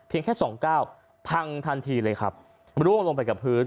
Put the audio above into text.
แค่สองเก้าพังทันทีเลยครับร่วงลงไปกับพื้น